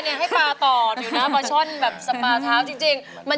กินขี้ควายลอยเตะกระโรย